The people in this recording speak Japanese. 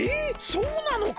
そうなのか？